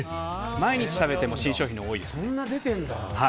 毎日食べても新商品が多いですね。